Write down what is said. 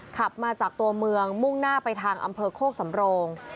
ขับมาจากตัวเมืองมุ่งหน้าไปทางอำเภอโคกสำโรง